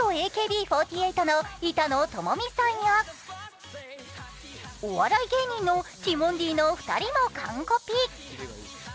元ＡＫＢ４８の板野友美さんやお笑い芸人のティモンディの２人も完コピ。